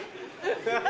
ハハハ！